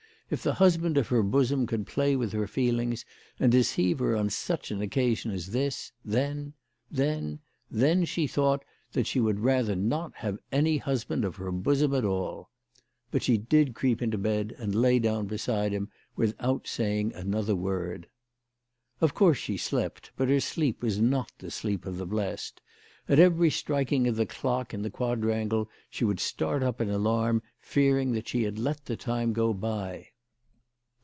If the husband of her bosom could play with her feelings and deceive her on such an occasion as this, then, then, then she thought that she would rather not have any husband of her bosom at all. But she did creep into bed, and lay down beside him without saying another word. Of course she slept, but her sleep was not the sleep of the blest. At every striking of the clock in the quadrangle she would start up in alarm, fearing that she had let the time go by.